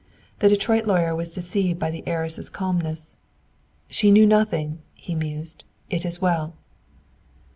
The Detroit lawyer was deceived by the heiress' calmness. "She knew nothing," he mused. "It is well."